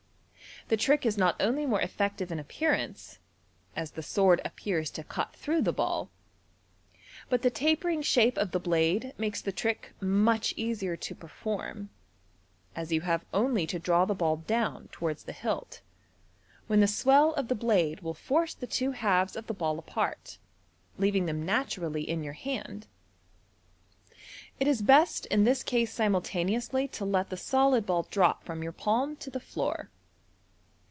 The trick is not only more effective in appearance, as the sword appears to cut through the ball, but the tapering shape of the blade makes the trick much easier to perform, as you have only to draw the ball down towards the hilt, when the swell of the blade will force the two halves of the ball apart, leaving them naturally in your hand. It is best in this case simultaneously to let the solid ball drop from your palm to the floor.